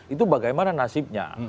itu bagaimana nasibnya